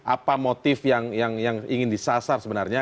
apa motif yang ingin disasar sebenarnya